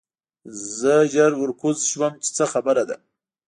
زه ژر ورکوز شوم چې څه خبره ده